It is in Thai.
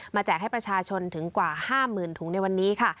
แจกให้ประชาชนถึงกว่า๕๐๐๐ถุงในวันนี้ค่ะ